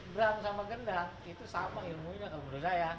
bram sama gendang itu sama ilmunya kalau menurut saya